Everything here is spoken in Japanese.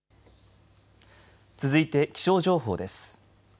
続いて気象情報です。